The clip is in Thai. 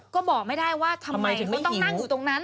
ก็บอกไม่ได้ว่าทำไมไม่ต้องนั่งอยู่ตรงนั้น